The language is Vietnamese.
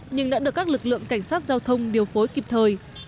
nhưng đã được các lực lượng cảnh sát giao thông điều phối kịp thời